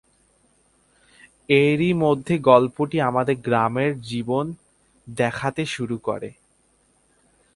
এরই মধ্যে গল্পটি আমাদের গ্রামের জীবন দেখাতে শুরু করে।